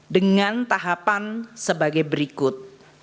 dengan tahapan sebagai berikut